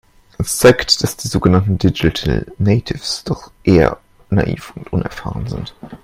Es zeigt, dass die sogenannten Digital Natives doch eher naiv und unerfahren sind.